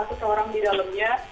bisa empat ratus orang di dalamnya